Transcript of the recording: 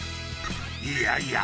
［いやいや！